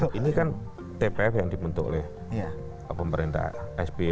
jadi ini kan tpf yang dibentuk oleh pemerintah sbi